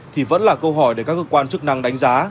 thì vẫn là câu hỏi để các cơ quan chức năng đánh giá